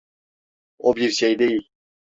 O bir şey değil.